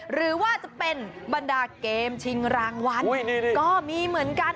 หรือว่าจะเป็นบรรดาเกมชิงรางวัลก็มีเหมือนกัน